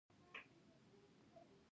خاوره د افغانستان د سیاسي جغرافیه برخه ده.